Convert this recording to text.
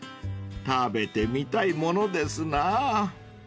［食べてみたいものですなぁ］